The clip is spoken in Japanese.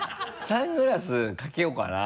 サングラスかけようかな？